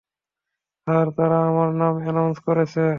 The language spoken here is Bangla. স্যার, তারা আমার নাম এনাউন্স করছে।